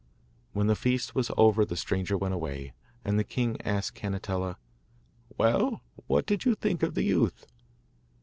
When the feast was over the stranger went away, and the king asked Cannetella: 'Well, what did you think of the youth?